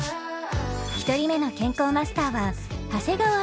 ［１人目の健康マスターは］